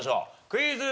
クイズ。